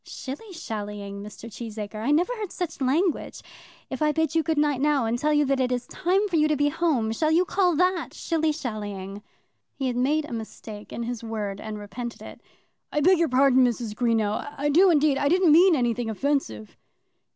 "Shilly shallying, Mr. Cheesacre! I never heard such language. If I bid you good night, now, and tell you that it is time for you to go home, shall you call that shilly shallying?" He had made a mistake in his word and repented it. "I beg your pardon, Mrs. Greenow; I do indeed. I didn't mean anything offensive."